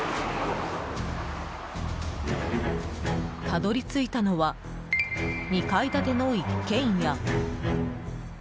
たどり着いたのは２階建ての一軒家。